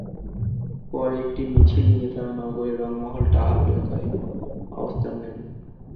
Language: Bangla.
পরে একটি মিছিল নিয়ে তাঁরা নগরের রংমহল টাওয়ার এলাকায় অবস্থান নেন।